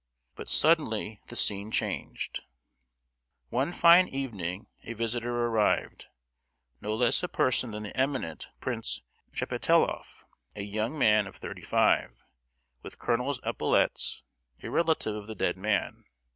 But suddenly the scene changed. One fine evening a visitor arrived—no less a person than the eminent Prince Shepetiloff, a young man of thirty five, with colonel's epaulettes, a relative of the dead man.